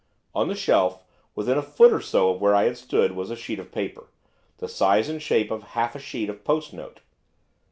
On the shelf, within a foot or so of where I stood, was a sheet of paper, the size and shape of half a sheet of post note.